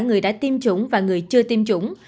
người đã tiêm chủng và người chưa tiêm chủng